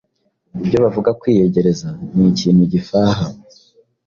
ibyo bavuga Kwiyegereza ni ikintu gifaha,